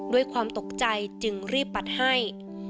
ด้วยความตกใจจึงรีบปัดให้